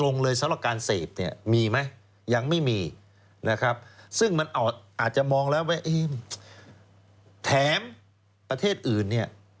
มีสารการเสพเนี่ยมีไหมยังไม่มีซึ่งมันอาจจะมองแล้วแถมประเทศอื่นเนี่ย